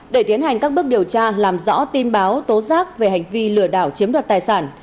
để tiến hành các bước điều tra làm rõ tin báo tố giác về hành vi lừa đảo chiếm đoạt tài sản